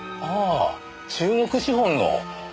ああ中国資本の。